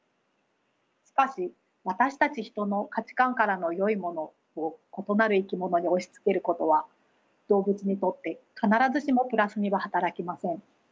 しかし私たち人の価値観からのよいものを異なる生き物に押しつけることは動物にとって必ずしもプラスには働きません。